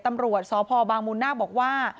ตำรวจสพบางมูลนาคบอกว่า